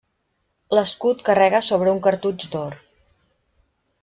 L'escut carrega sobre un cartutx d'or.